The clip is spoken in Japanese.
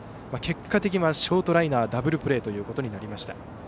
結果的にはショートライナーダブルプレーとなりました。